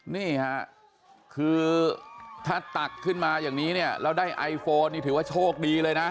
นี่ค่ะคือถ้าตักขึ้นมาอย่างนี้เนี่ยแล้วได้ไอโฟนนี่ถือว่าโชคดีเลยนะ